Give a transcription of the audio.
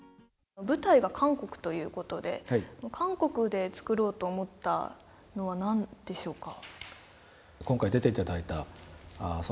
舞台が韓国ということで韓国で作ろうと思ったのは何でしょうか？